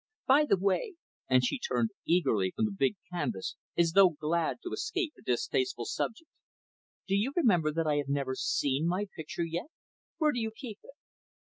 By the way" and she turned eagerly from the big canvas as though glad to escape a distasteful subject "do you remember that I have never seen my picture yet? Where do you keep it?"